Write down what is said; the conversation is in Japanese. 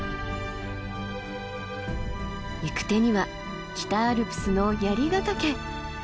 行く手には北アルプスの槍ヶ岳。